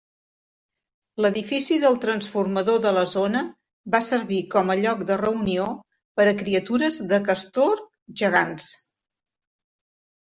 L'edifici del transformador de la zona va servir com a lloc de reunió per a criatures de castor gegants.